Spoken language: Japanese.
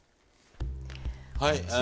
はい。